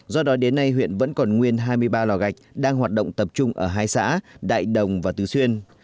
do đó đến nay huyện vẫn còn nguyên hai mươi ba lò gạch đang hoạt động tập trung ở hai xã đại đồng và tứ xuyên